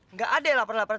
nggak ada ya lapar laparan